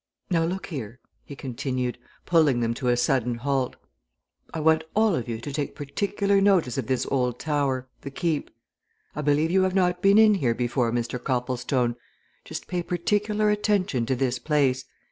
Now, look here," he continued, pulling them to a sudden halt, "I want all of you to take particular notice of this old tower the Keep. I believe you have not been in here before, Mr. Copplestone just pay particular attention to this place.